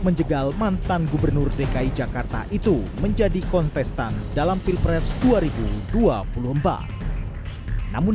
menjegal mantan gubernur dki jakarta itu menjadi kontestan dalam pilpres dua ribu dua puluh empat namun